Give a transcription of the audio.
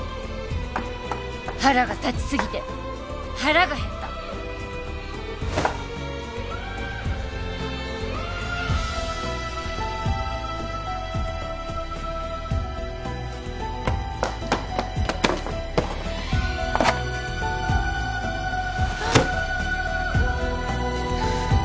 腹が立ち過ぎて腹が減った！あっ。